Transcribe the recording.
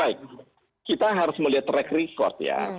baik kita harus melihat track record ya